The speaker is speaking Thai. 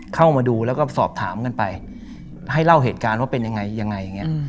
เข้ามาดูแล้วก็สอบถามกันไปให้เล่าเหตุการณ์ว่าเป็นยังไงยังไงอย่างนี้